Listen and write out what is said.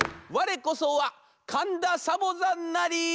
われこそはかんだサボざんなり」。